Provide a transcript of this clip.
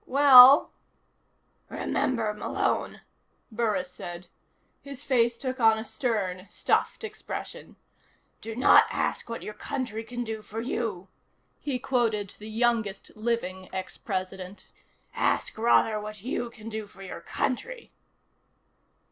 "Well " "Remember, Malone," Burris said. His face took on a stern, stuffed expression. "Do not ask what your country can do for you," he quoted the youngest living ex President. "Ask rather what you can do for your country."